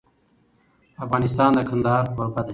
افغانستان د کندهار کوربه دی.